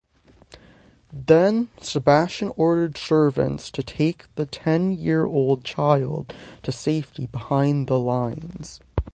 Then, Sebastian ordered servants to take the ten-year-old child to safety behind the lines.